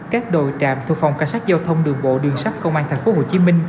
các đội trạm thu phòng cảnh sát giao thông đường bộ đường sắp công an tp hcm